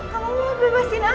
kamu mau bebasin aku